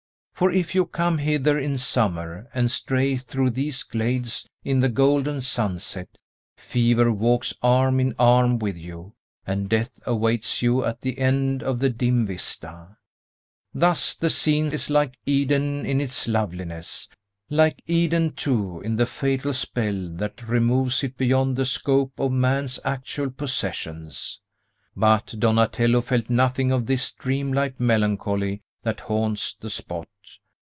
For if you come hither in summer, and stray through these glades in the golden sunset, fever walks arm in arm with you, and death awaits you at the end of the dim vista. Thus the scene is like Eden in its loveliness; like Eden, too, in the fatal spell that removes it beyond the scope of man's actual possessions. But Donatello felt nothing of this dream like melancholy that haunts the spot.